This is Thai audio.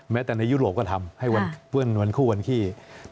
แม้แต่ในยุโรปก็ทำให้วันคู่วันขี้